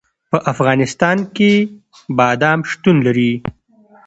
په افغانستان کې بادام شتون لري.